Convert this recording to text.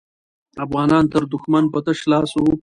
افغانان تر دښمن په تش لاس وو.